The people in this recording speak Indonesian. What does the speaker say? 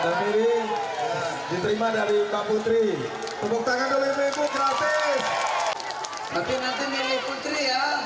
diterima dari pak putri